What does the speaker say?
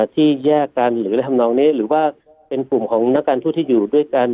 ที่แยกกันหรือเป็นกลุ่มของหน้าการทูตที่อยู่ด้วยกัน